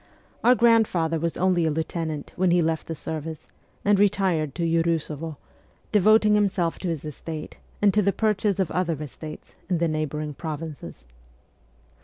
Our grandfather was only a lieutenant when he left the service, and retired to Urusovo, devoting himseM to his estate, and to the purchase of other estates in the neighbouring provinces.